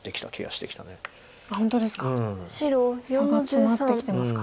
差が詰まってきてますか。